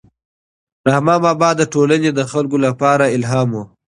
رحمان بابا د ټولنې د خلکو لپاره الهام و.